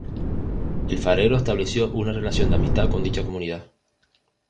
El farero estableció una relación de amistad con dicha comunidad.